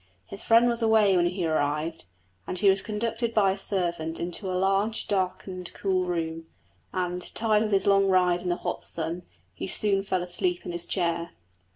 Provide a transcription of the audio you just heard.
His friend was away when he arrived, and he was conducted by a servant into a large, darkened, cool room; and, tired with his long ride in the hot sun, he soon fell asleep in his chair.